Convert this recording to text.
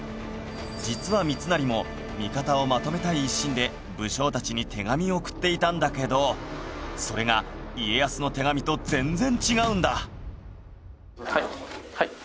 実は三成も味方をまとめたい一心で武将たちに手紙を送っていたんだけどそれが家康の手紙と全然違うんだ